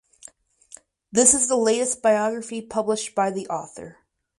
This is the latest biography published by the author.